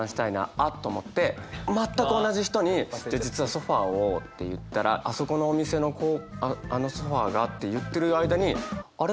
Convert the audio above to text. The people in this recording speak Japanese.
あっ！と思って全く同じ人に「実はソファーを」って言ったら「あそこのお店のあのソファーが」って言ってる間にあれ？